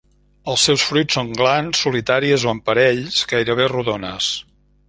Els seus fruits són glans solitàries o en parells, gairebé rodones.